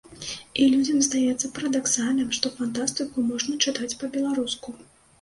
І людзям здаецца парадаксальным, што фантастыку можна чытаць па-беларуску.